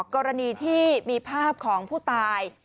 กรณีที่มีภาพของผู้ตาย